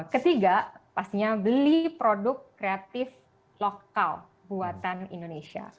ketiga pastinya beli produk kreatif lokal buatan indonesia